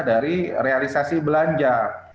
dari realisasi belanja